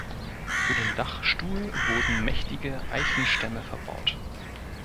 Für den Dachstuhl wurden mächtige Eichenstämme verbaut.